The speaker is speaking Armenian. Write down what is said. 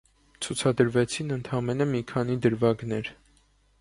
Ցուցադրվեցին ընդամենը մի քանի դրվագներ։